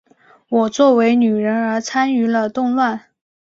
我作为女人而参与了动乱。